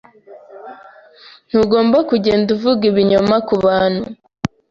Ntugomba kugenda uvuga ibinyoma kubantu.